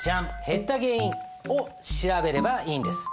減った原因を調べればいいんです。